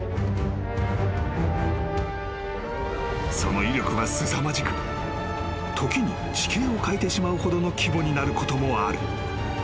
［その威力はすさまじく時に地形を変えてしまうほどの規模になることもある］